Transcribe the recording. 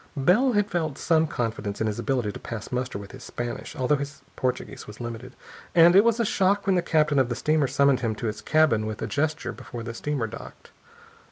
Bell had felt some confidence in his ability to pass muster with his Spanish, though his Portuguese was limited, and it was a shock when the captain of the steamer summoned him to his cabin with a gesture, before the steamer docked.